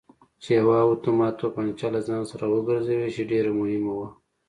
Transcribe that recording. چې یوه اتومات تومانچه له ځان سر وګرځوي چې ډېره مهمه وه.